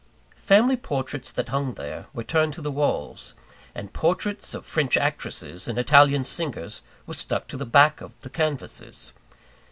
Family portraits that hung there, were turned to the walls, and portraits of French actresses and Italian singers were stuck to the back of the canvasses.